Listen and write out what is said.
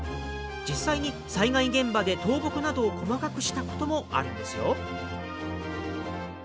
実際に災害現場で倒木などを細かくしたこともあるんですよ。